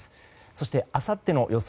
そして、あさっての予想